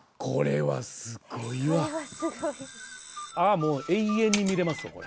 もう永遠に見れますわこれ。